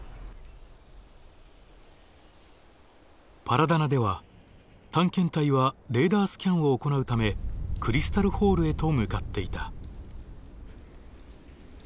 パラダナでは探検隊はレーダースキャンを行うためクリスタル・ホールへと向かっていた。